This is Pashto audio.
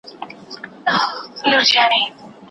نسکور وېشي جامونه نن مغان په باور نه دی